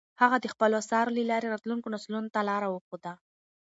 هغه د خپلو اثارو له لارې راتلونکو نسلونو ته لار وښوده.